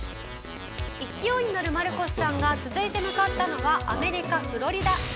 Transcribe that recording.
勢いにのるマルコスさんが続いて向かったのはアメリカフロリダ。